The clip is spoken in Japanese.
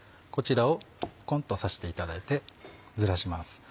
こちらをコンっと刺していただいてずらします。